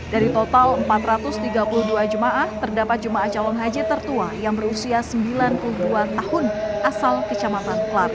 dari total empat ratus tiga puluh dua jemaah terdapat jemaah calon haji tertua yang berusia sembilan puluh dua tahun asal kecamatan klari